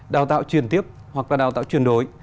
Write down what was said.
đào tạo truyền tiếp hoặc đào tạo truyền đối